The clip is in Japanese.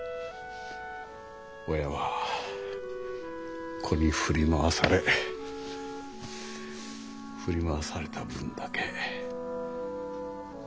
親は子に振り回され振り回された分だけ。